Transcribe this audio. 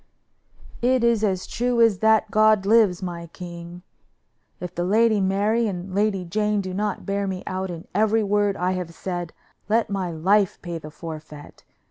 "It is as true as that God lives, my king! If the Lady Mary and Lady Jane do not bear me out in every word I have said, let my life pay the forfeit.